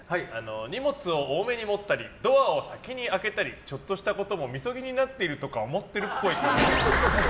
荷物を多めに持ったりドアを先に開けたりちょっとしたことも禊になっているとか思っているっぽい。